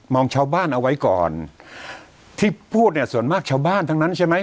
องชาวบ้านเอาไว้ก่อนที่พูดเนี่ยส่วนมากชาวบ้านทั้งนั้นใช่ไหม